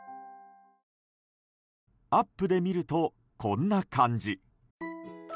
アップで見ると、こんな感じ。